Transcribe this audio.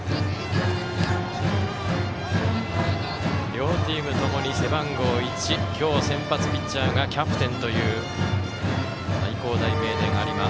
両チームともに背番号１今日、先発ピッチャーがキャプテンという愛工大名電、有馬。